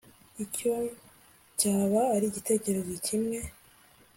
icyo cyaba ari igitekerezo kimwe